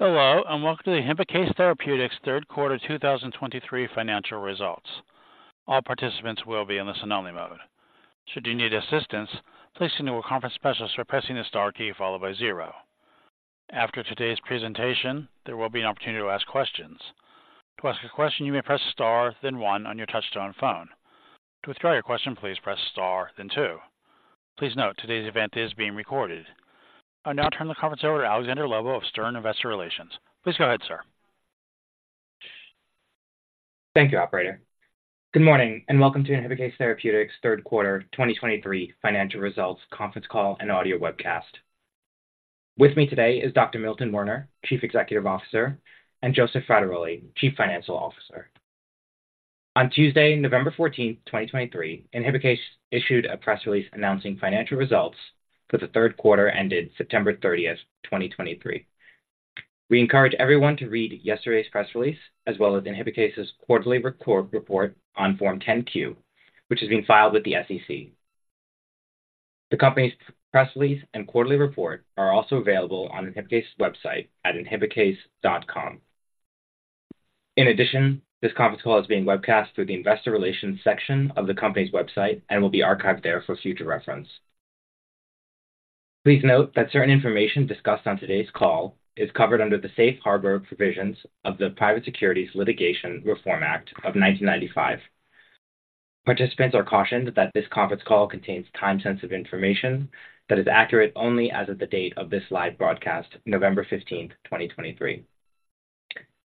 Hello, and welcome to the Inhibikase Therapeutics third quarter 2023 financial results. All participants will be in the listen-only mode. Should you need assistance, please signal a conference specialist by pressing the star key followed by zero. After today's presentation, there will be an opportunity to ask questions. To ask a question, you may press star, then one on your touchtone phone. To withdraw your question, please press star, then two. Please note, today's event is being recorded. I'll now turn the conference over to Alexander Lobo of Stern Investor Relations. Please go ahead, sir. Thank you, operator. Good morning, and welcome to Inhibikase Therapeutics third quarter 2023 financial results conference call and audio webcast. With me today is Dr. Milton Werner, Chief Executive Officer, and Joseph Frattaroli, Chief Financial Officer. On Tuesday, November 14, 2023, Inhibikase issued a press release announcing financial results for the third quarter ended September 30, 2023. We encourage everyone to read yesterday's press release, as well as Inhibikase's quarterly report on Form 10-Q, which has been filed with the SEC. The company's press release and quarterly report are also available on Inhibikase website at inhibikase.com. In addition, this conference call is being webcast through the investor relations section of the company's website and will be archived there for future reference. Please note that certain information discussed on today's call is covered under the safe harbor provisions of the Private Securities Litigation Reform Act of 1995. Participants are cautioned that this conference call contains time-sensitive information that is accurate only as of the date of this live broadcast, November 15, 2023.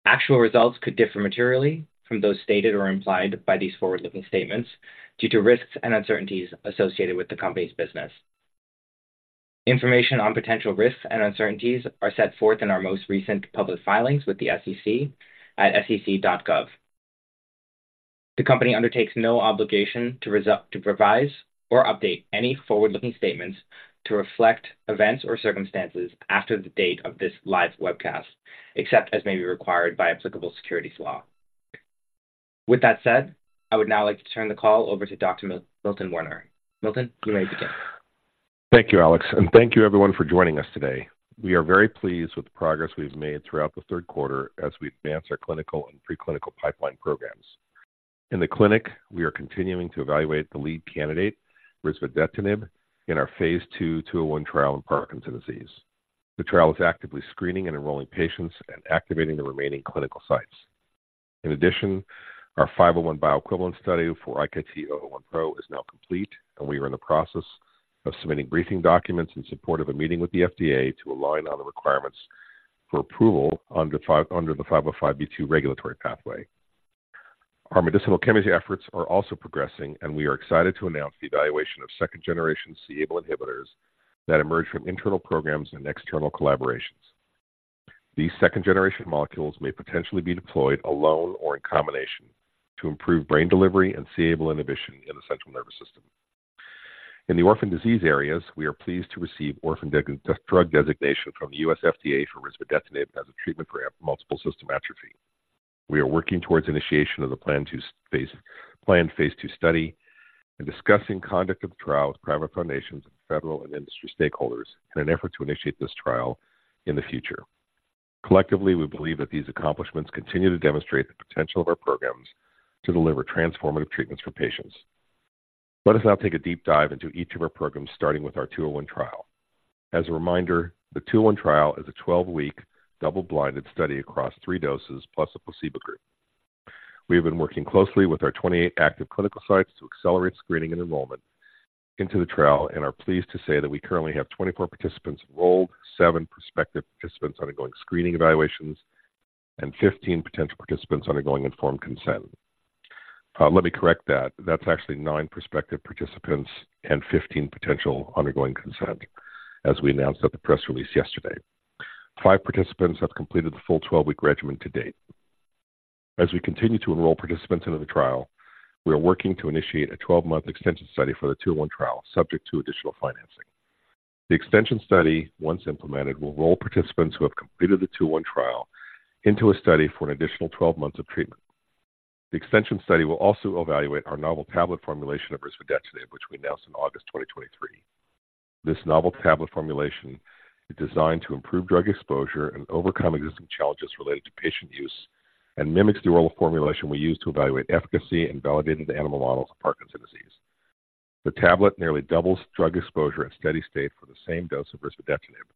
Actual results could differ materially from those stated or implied by these forward-looking statements due to risks and uncertainties associated with the company's business. Information on potential risks and uncertainties are set forth in our most recent public filings with the SEC at sec.gov. The company undertakes no obligation to revise or update any forward-looking statements to reflect events or circumstances after the date of this live webcast, except as may be required by applicable securities law. With that said, I would now like to turn the call over to Dr. Milton Werner. Milton, you may begin. Thank you, Alex, and thank you everyone for joining us today. We are very pleased with the progress we've made throughout the third quarter as we advance our clinical and preclinical pipeline programs. In the clinic, we are continuing to evaluate the lead candidate, risvodetinib, in our phase 2, 201 Trial in Parkinson's disease. The trial is actively screening and enrolling patients and activating the remaining clinical sites. In addition, our 501 bioequivalence study for IkT-001Pro is now complete, and we are in the process of submitting briefing documents in support of a meeting with the FDA to align on the requirements for approval under the 505(b)(2) regulatory pathway. Our medicinal chemistry efforts are also progressing, and we are excited to announce the evaluation of second-generation c-Abl inhibitors that emerge from internal programs and external collaborations. These second-generation molecules may potentially be deployed alone or in combination to improve brain delivery and c-Abl inhibition in the central nervous system. In the orphan disease areas, we are pleased to receive orphan drug designation from the U.S. FDA for risvodetinib as a treatment for Multiple System Atrophy. We are working towards initiation of the planned phase two study and discussing conduct of the trial with private foundations and federal and industry stakeholders in an effort to initiate this trial in the future. Collectively, we believe that these accomplishments continue to demonstrate the potential of our programs to deliver transformative treatments for patients. Let us now take a deep dive into each of our programs, starting with our 201 trial. As a reminder, the 201 trial is a 12-week, double-blinded study across 3 doses plus a placebo group. We have been working closely with our 28 active clinical sites to accelerate screening and enrollment into the trial and are pleased to say that we currently have 24 participants enrolled, seven prospective participants undergoing screening evaluations, and 15 potential participants undergoing informed consent. Let me correct that. That's actually nine prospective participants and 15 potential undergoing consent, as we announced at the press release yesterday. Five participants have completed the full 12-week regimen to date. As we continue to enroll participants into the trial, we are working to initiate a 12-month extension study for the 201 trial, subject to additional financing. The extension study, once implemented, will enroll participants who have completed the 201 trial into a study for an additional 12 months of treatment. The extension study will also evaluate our novel tablet formulation of risvodetinib, which we announced in August 2023. This novel tablet formulation is designed to improve drug exposure and overcome existing challenges related to patient use and mimics the oral formulation we use to evaluate efficacy and validated animal models of Parkinson's disease. The tablet nearly doubles drug exposure at steady state for the same dose of risvodetinib,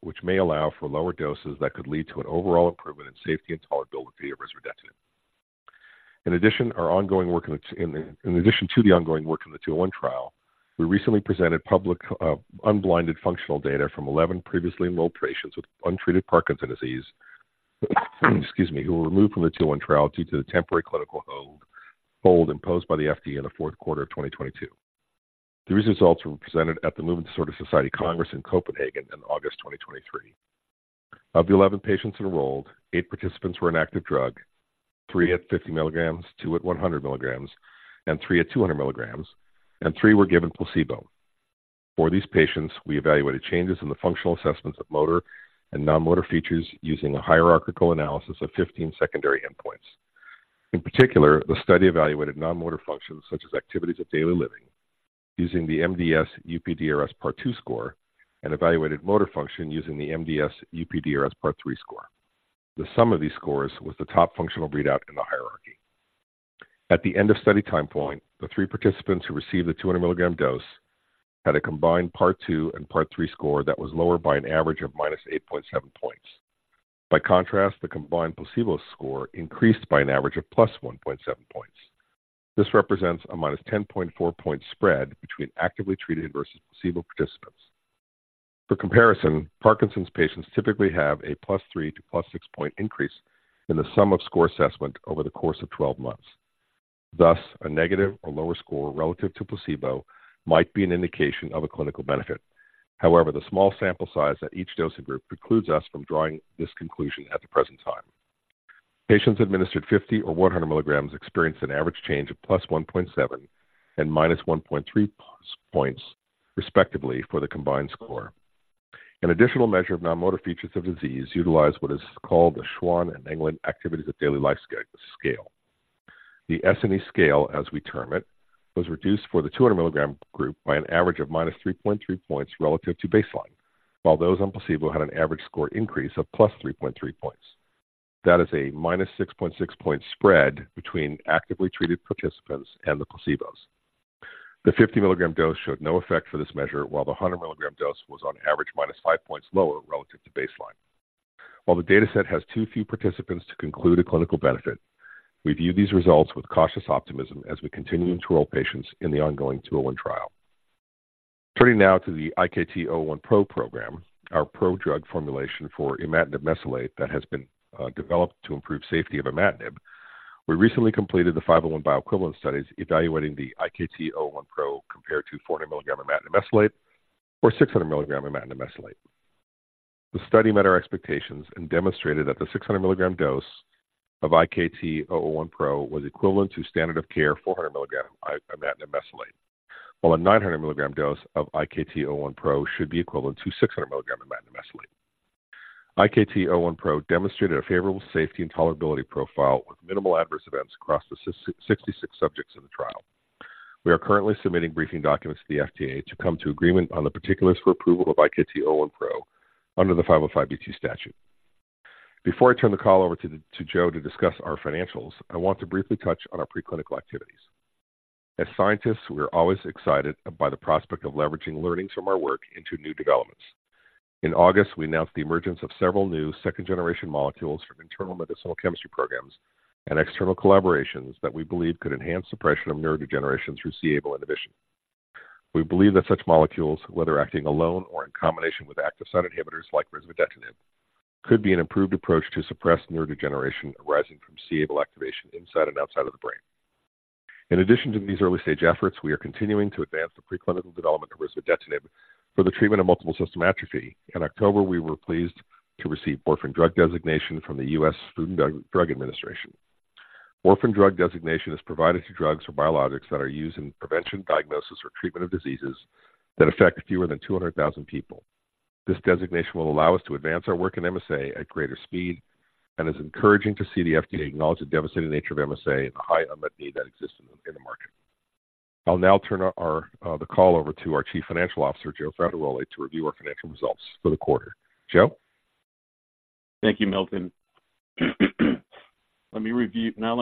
which may allow for lower doses that could lead to an overall improvement in safety and tolerability of risvodetinib. In addition to the ongoing work in the 201 trial, we recently presented public unblinded functional data from 11 previously enrolled patients with untreated Parkinson's disease, excuse me, who were removed from the 201 trial due to the temporary clinical hold imposed by the FDA in the fourth quarter of 2022. These results were presented at the Movement Disorder Society Congress in Copenhagen in August 2023. Of the 11 patients enrolled, 8 participants were on active drug, 3 at 50 milligrams, 2 at 100 milligrams, and 3 at 200 milligrams, and 3 were given placebo. For these patients, we evaluated changes in the functional assessments of motor and non-motor features using a hierarchical analysis of 15 secondary endpoints. In particular, the study evaluated non-motor functions, such as activities of daily living, using the MDS-UPDRS Part Two score, and evaluated motor function using the MDS-UPDRS Part Three score. The sum of these scores was the top functional readout in the hierarchy. At the end of study time point, the 3 participants who received the 200 milligram dose had a combined Part Two and Part Three score that was lower by an average of -8.7 points. By contrast, the combined placebo score increased by an average of +1.7 points. This represents a -10.4-point spread between actively treated versus placebo participants. For comparison, Parkinson's patients typically have a +3 to +6-point increase in the sum of score assessment over the course of 12 months. Thus, a negative or lower score relative to placebo might be an indication of a clinical benefit. However, the small sample size at each dosing group precludes us from drawing this conclusion at the present time. Patients administered 50 or 100 milligrams experienced an average change of +1.7 and -1.3 points, respectively, for the combined score. An additional measure of non-motor features of disease utilized what is called the Schwab and England Activities of Daily Living Scale. The S&E scale, as we term it, was reduced for the 200 milligram group by an average of -3.3 points relative to baseline, while those on placebo had an average score increase of +3.3 points. That is a -6.6-point spread between actively treated participants and the placebos. The 50 milligram dose showed no effect for this measure, while the 100 milligram dose was on average -5 points lower relative to baseline. While the data set has too few participants to conclude a clinical benefit, we view these results with cautious optimism as we continue to enroll patients in the ongoing 201 trial. Turning now to the IkT-001Pro program, our prodrug formulation for imatinib mesylate that has been developed to improve safety of imatinib. We recently completed the 505(b)(2) bioequivalence studies evaluating the IkT-001Pro compared to 400 mg imatinib mesylate or 600 mg imatinib mesylate. The study met our expectations and demonstrated that the 600 mg dose of IkT-001Pro was equivalent to standard of care, 400 mg imatinib mesylate, while a 900 mg dose of IkT-001Pro should be equivalent to 600 mg imatinib mesylate. IkT-001Pro demonstrated a favorable safety and tolerability profile with minimal adverse events across the 66 subjects in the trial. We are currently submitting briefing documents to the FDA to come to agreement on the particulars for approval of IkT-001Pro under the 505(b)(2) statute. Before I turn the call over to Joe to discuss our financials, I want to briefly touch on our preclinical activities. As scientists, we are always excited by the prospect of leveraging learnings from our work into new developments. In August, we announced the emergence of several new second-generation molecules from internal medicinal chemistry programs and external collaborations that we believe could enhance suppression of neurodegeneration through c-Abl inhibition. We believe that such molecules, whether acting alone or in combination with active site inhibitors like risvodetinib, could be an improved approach to suppress neurodegeneration arising from c-Abl activation inside and outside of the brain. In addition to these early-stage efforts, we are continuing to advance the preclinical development of risvodetinib for the treatment of multiple system atrophy. In October, we were pleased to receive orphan drug designation from the U.S. Food and Drug Administration. Orphan drug designation is provided to drugs or biologics that are used in prevention, diagnosis, or treatment of diseases that affect fewer than 200,000 people. This designation will allow us to advance our work in MSA at greater speed and is encouraging to see the FDA acknowledge the devastating nature of MSA and the high unmet need that exists in the market. I'll now turn the call over to our Chief Financial Officer, Joe Frattaroli, to review our financial results for the quarter. Joe? Thank you, Milton. Now let me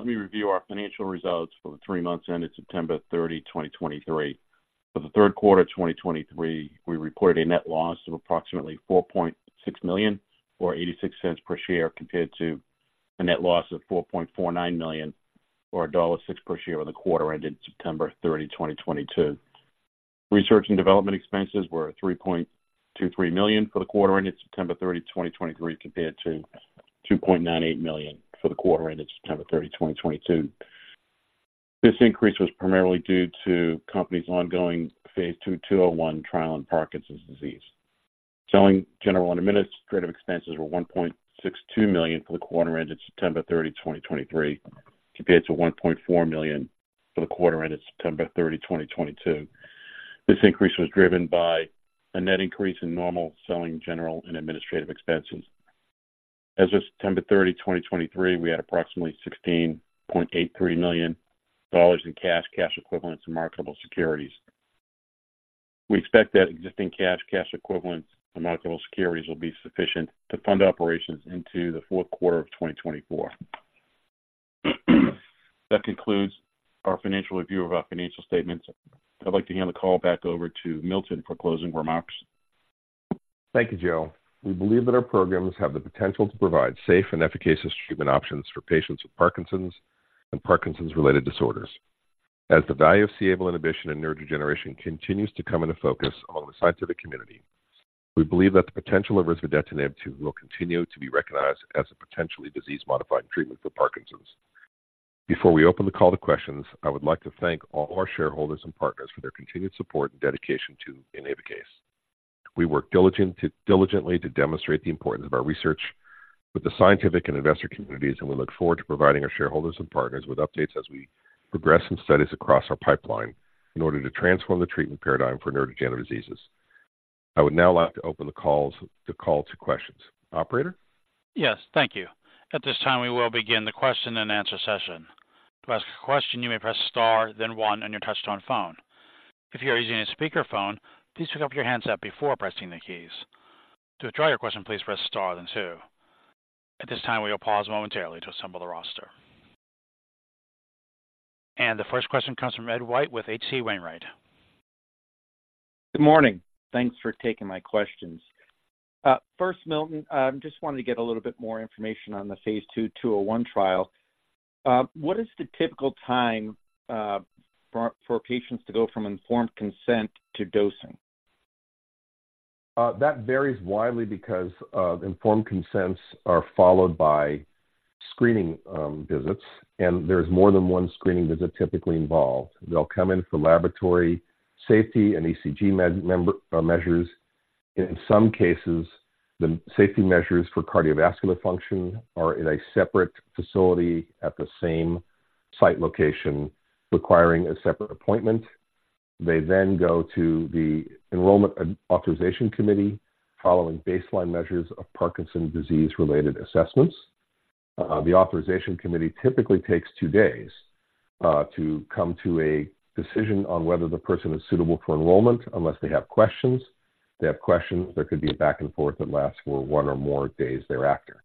review our financial results for the three months ended September 30, 2023. For the third quarter of 2023, we reported a net loss of approximately $4.6 million or $0.86 per share, compared to a net loss of $4.49 million or $1.06 per share for the quarter ended September 30, 2022. Research and development expenses were $3.23 million for the quarter ended September 30, 2023, compared to $2.98 million for the quarter ended September 30, 2022. This increase was primarily due to the company's ongoing phase 2, 201 trial in Parkinson's disease. Selling, general, and administrative expenses were $1.62 million for the quarter ended September 30, 2023, compared to $1.4 million for the quarter ended September 30, 2022. This increase was driven by a net increase in normal selling, general, and administrative expenses. As of September 30, 2023, we had approximately $16.83 million in cash, cash equivalents, and marketable securities. We expect that existing cash, cash equivalents, and marketable securities will be sufficient to fund operations into the fourth quarter of 2024. That concludes our financial review of our financial statements. I'd like to hand the call back over to Milton for closing remarks. Thank you, Joe. We believe that our programs have the potential to provide safe and efficacious treatment options for patients with Parkinson's and Parkinson's-related disorders. As the value of c-Abl inhibition and neurodegeneration continues to come into focus among the scientific community, we believe that the potential of risvodetinib will continue to be recognized as a potentially disease-modifying treatment for Parkinson's. Before we open the call to questions, I would like to thank all our shareholders and partners for their continued support and dedication to Inhibikase. We work diligently to demonstrate the importance of our research with the scientific and investor communities, and we look forward to providing our shareholders and partners with updates as we progress in studies across our pipeline in order to transform the treatment paradigm for neurodegenerative diseases... I would now like to open the call to questions. Operator? Yes, thank you. At this time, we will begin the question-and-answer session. To ask a question, you may press star, then one on your touchtone phone. If you are using a speakerphone, please pick up your handset before pressing the keys. To withdraw your question, please press star, then two. At this time, we will pause momentarily to assemble the roster. The first question comes from Ed White with H.C. Wainwright. Good morning. Thanks for taking my questions. First, Milton, I just wanted to get a little bit more information on the phase 2-201 trial. What is the typical time for patients to go from informed consent to dosing? That varies widely because informed consents are followed by screening visits, and there's more than one screening visit typically involved. They'll come in for laboratory safety and ECG med member measures. In some cases, the safety measures for cardiovascular function are in a separate facility at the same site location, requiring a separate appointment. They then go to the Enrollment and Authorization Committee, following baseline measures of Parkinson's Disease-related assessments. The Authorization Committee typically takes two days to come to a decision on whether the person is suitable for enrollment, unless they have questions. If they have questions, there could be a back and forth that lasts for one or more days thereafter.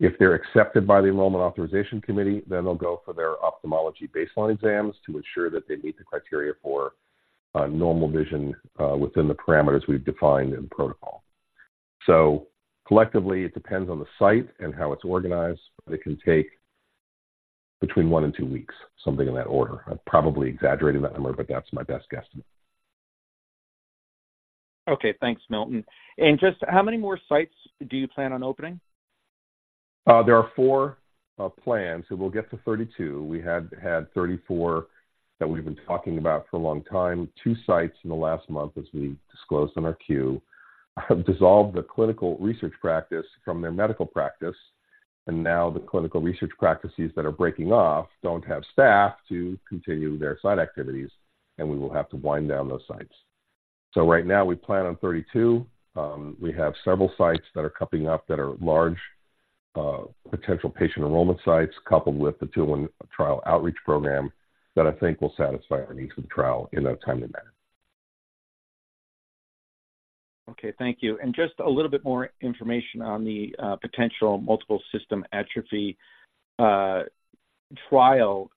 If they're accepted by the Enrollment Authorization Committee, then they'll go for their ophthalmology baseline exams to ensure that they meet the criteria for normal vision within the parameters we've defined in protocol. Collectively, it depends on the site and how it's organized, but it can take between 1 and 2 weeks, something in that order. I've probably exaggerated that number, but that's my best guesstimate. Okay, thanks, Milton. Just how many more sites do you plan on opening? There are four plans, so we'll get to 32. We had 34 that we've been talking about for a long time. Two sites in the last month, as we disclosed in our 10-Q, have dissolved the clinical research practice from their medical practice, and now the clinical research practices that are breaking off don't have staff to continue their site activities, and we will have to wind down those sites. So right now, we plan on 32. We have several sites that are coming up that are large potential patient enrollment sites, coupled with the 201 trial outreach program, that I think will satisfy our needs of the trial in a timely manner. Okay, thank you. And just a little bit more information on the potential Multiple System Atrophy trial.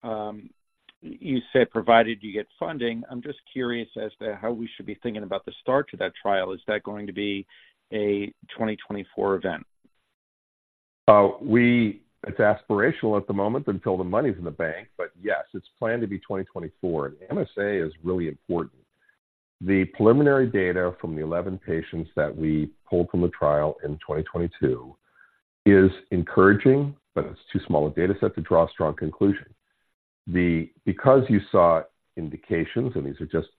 You said provided you get funding. I'm just curious as to how we should be thinking about the start to that trial. Is that going to be a 2024 event? It's aspirational at the moment until the money's in the bank, but yes, it's planned to be 2024, and MSA is really important. The preliminary data from the 11 patients that we pulled from the trial in 2022 is encouraging, but it's too small a data set to draw a strong conclusion. Because you saw indications, and these are just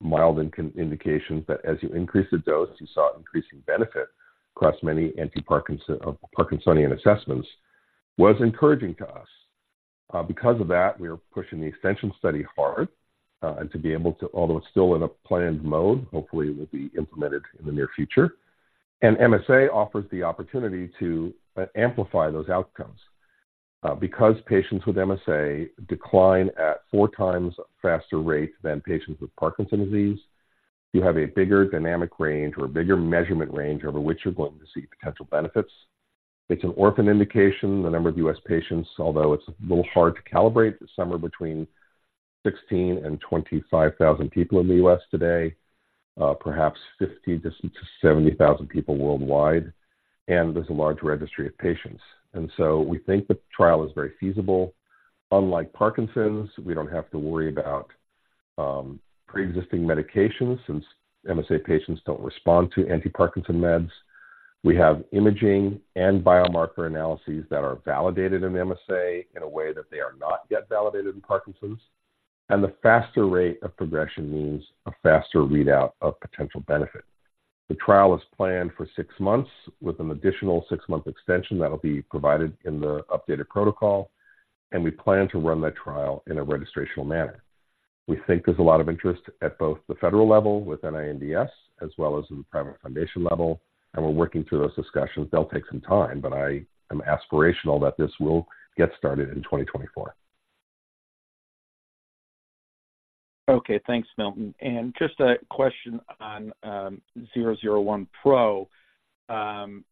mild indications, that as you increase the dose, you saw increasing benefit across many anti-Parkinson, Parkinsonian assessments, was encouraging to us. Because of that, we are pushing the extension study hard, and to be able to, although it's still in a planned mode, hopefully will be implemented in the near future. And MSA offers the opportunity to amplify those outcomes. Because patients with MSA decline at 4 times faster rate than patients with Parkinson's Disease, you have a bigger dynamic range or a bigger measurement range over which you're going to see potential benefits. It's an orphan indication. The number of U.S. patients, although it's a little hard to calibrate, but somewhere between 16 and 25 thousand people in the U.S. today, perhaps 50-70 thousand people worldwide, and there's a large registry of patients. So we think the trial is very feasible. Unlike Parkinson's, we don't have to worry about preexisting medications since MSA patients don't respond to anti-Parkinson meds. We have imaging and biomarker analyses that are validated in MSA in a way that they are not yet validated in Parkinson's. The faster rate of progression means a faster readout of potential benefit. The trial is planned for six months, with an additional six-month extension that'll be provided in the updated protocol, and we plan to run that trial in a registrational manner. We think there's a lot of interest at both the federal level with NINDS as well as in the private foundation level, and we're working through those discussions. They'll take some time, but I am aspirational that this will get started in 2024. Okay, thanks, Milton. Just a question on IkT-001Pro. Can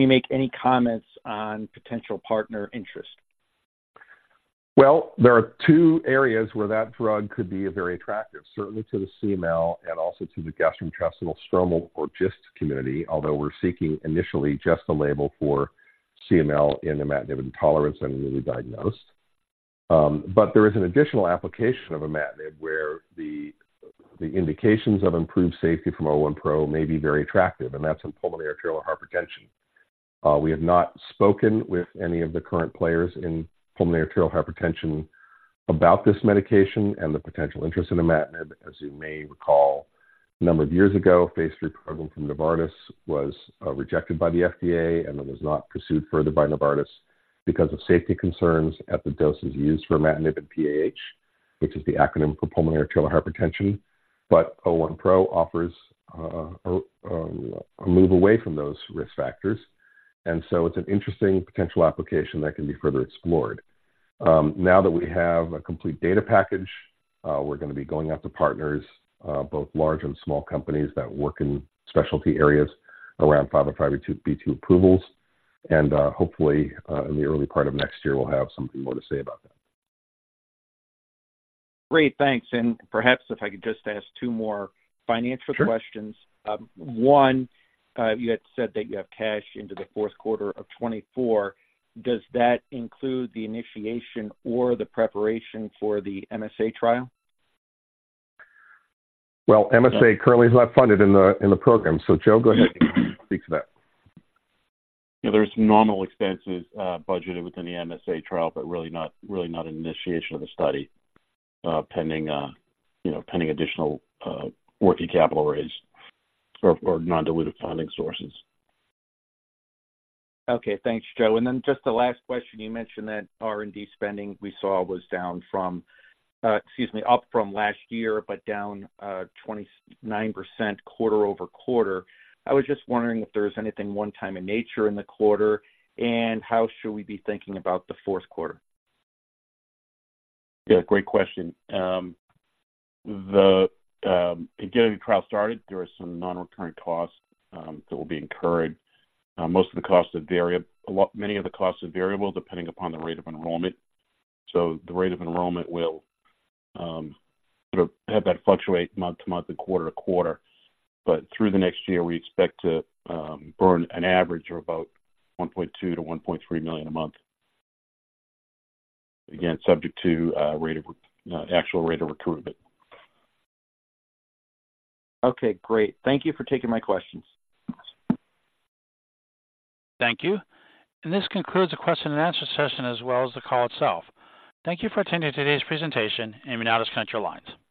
you make any comments on potential partner interest? Well, there are two areas where that drug could be very attractive, certainly to the CML and also to the gastrointestinal stromal or GIST community, although we're seeking initially just a label for CML in imatinib intolerance and newly diagnosed. But there is an additional application of imatinib where the indications of improved safety from IkT-001Pro may be very attractive, and that's in pulmonary arterial hypertension. We have not spoken with any of the current players in pulmonary arterial hypertension about this medication and the potential interest in imatinib. As you may recall, a number of years ago, a phase III program from Novartis was rejected by the FDA, and it was not pursued further by Novartis because of safety concerns at the doses used for imatinib and PAH, which is the acronym for pulmonary arterial hypertension. But IkT-001Pro offers a move away from those risk factors, and so it's an interesting potential application that can be further explored. Now that we have a complete data package, we're going to be going out to partners, both large and small companies that work in specialty areas around 505(b)(2) approvals. Hopefully, in the early part of next year, we'll have something more to say about that. Great, thanks. Perhaps if I could just ask two more financial questions? Sure. You had said that you have cash into the fourth quarter of 2024. Does that include the initiation or the preparation for the MSA trial? Well, MSA currently is not funded in the program. So Joe, go ahead and speak to that. Yeah, there's normal expenses budgeted within the MSA trial, but really not, really not an initiation of the study, pending, you know, pending additional working capital raise or non-dilutive funding sources. Okay. Thanks, Joe. And then just the last question, you mentioned that R&D spending we saw was down from, excuse me, up from last year, but down 29% quarter-over-quarter. I was just wondering if there was anything one-time in nature in the quarter, and how should we be thinking about the fourth quarter? Yeah, great question. The getting the trial started, there are some non-recurrent costs that will be incurred. Most of the costs are variable. Many of the costs are variable depending upon the rate of enrollment. So the rate of enrollment will sort of have that fluctuate month to month and quarter to quarter. But through the next year, we expect to burn an average of about $1.2 million-$1.3 million a month. Again, subject to rate of actual rate of recruitment. Okay, great. Thank you for taking my questions. Thank you. This concludes the question and answer session, as well as the call itself. Thank you for attending today's presentation, Immunomedics Central Lines.